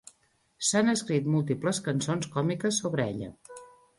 S'han escrit múltiples cançons còmiques sobre ella.